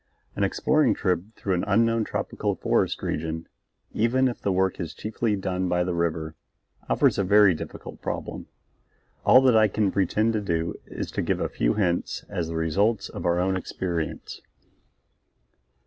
An exploring trip through an unknown tropical forest region, even if the work is chiefly done by river, offers a very difficult problem. All that I can pretend to do is to give a few hints as the results of our own experience.